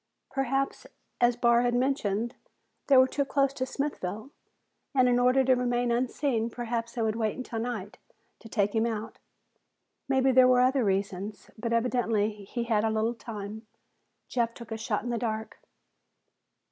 Perhaps, as Barr had mentioned, they were too close to Smithville, and in order to remain unseen, perhaps they would wait until night to take him out. Maybe there were other reasons, but evidently he had a little time. Jeff took a shot in the dark.